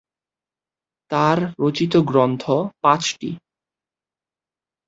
তাঁর রচিত গ্রন্থ পাঁচটি।